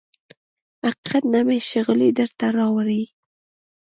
حقیقت نه مې شغلې درته راوړي